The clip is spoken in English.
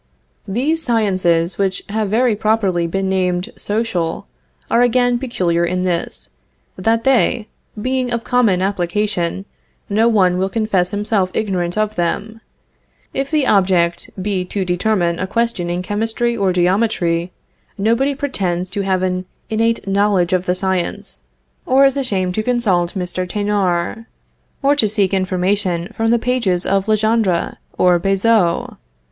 These sciences, which have very properly been named social, are again peculiar in this, that they, being of common application, no one will confess himself ignorant of them. If the object be to determine a question in chemistry or geometry, nobody pretends to have an innate knowledge of the science, or is ashamed to consult Mr. Thénard, or to seek information from the pages of Legendre or Bezout.